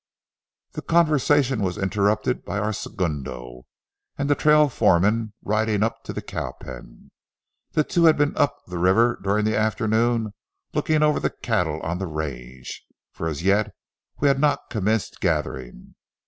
The conversation was interrupted by our segundo and the trail foreman riding up to the cow pen. The two had been up the river during the afternoon, looking over the cattle on the range, for as yet we had not commenced gathering.